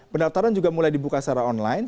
pendaftaran juga mulai dibuka secara online